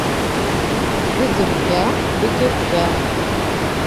Бөҙөркә, бөтөркә.